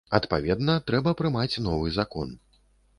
Адпаведна, трэба прымаць новы закон.